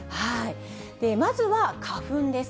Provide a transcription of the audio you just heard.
まずは花粉です。